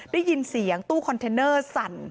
ได้ยินเสียงตู้คอนเทนเนอร์สั่น